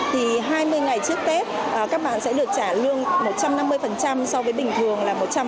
thì hai mươi ngày trước tết các bạn sẽ được trả lương một trăm năm mươi so với bình thường